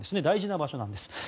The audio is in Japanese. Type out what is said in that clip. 大事な場所です。